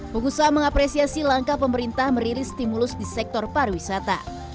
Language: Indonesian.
pengusaha mengapresiasi langkah pemerintah merilis stimulus di sektor pariwisata